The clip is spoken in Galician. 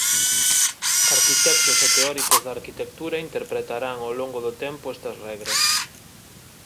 Arquitectos e teóricos da arquitectura interpretarán ao longo do tempo estas regras.